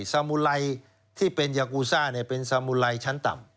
สามูไรที่เป็นยากูซ่าเนี่ยเป็นสามูไรชั้นต่ำ